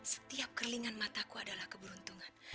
setiap keringan mutaku adalah keberuntungan